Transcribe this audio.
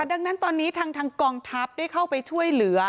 ดังนั้นตอนนี้ทางกองทัพได้เข้าไปช่วยเหลือ